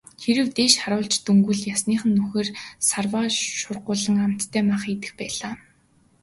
Хэрэв дээш харуулж дөнгөвөл ясных нь нүхээр савраа шургуулан амттай мах идэх байлаа.